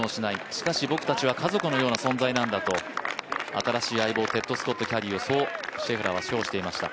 しかし僕たちは家族のような存在なんだと新しい相棒、テッド・スコットキャディーをそうシェフラーは称していました。